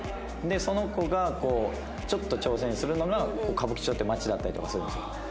でその子がこうちょっと挑戦するのが歌舞伎町っていう街だったりとかするんですよ。